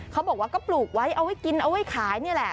เขาบอกว่าก็ปลูกไว้เอาไว้กินเอาไว้ขายนี่แหละ